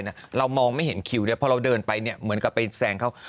เพราะเราเดินไปเหมือนกับไปแซงเขา